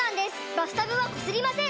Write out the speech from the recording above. バスタブはこすりません！